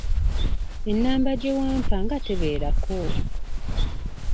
Enamba gye wampa nga tebeerako?